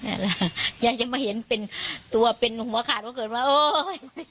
นี่แหละยายยังมาเห็นเป็นตัวเป็นหัวขาดว่าเกิดว่าโอ๊ย